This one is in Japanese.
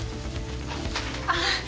ああ！